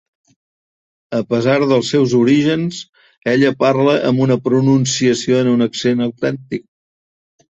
A pesar dels seus orígens, ella parla amb una pronunciació en un accent autèntic.